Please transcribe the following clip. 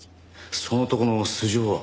その男の素性は？